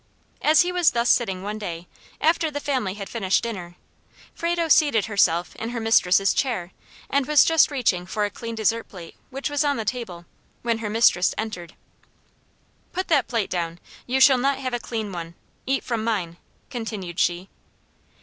As he was thus sitting one day, after the family had finished dinner, Frado seated herself in her mistress' chair, and was just reaching for a clean dessert plate which was on the table, when her mistress entered. "Put that plate down; you shall not have a clean one; eat from mine," continued she.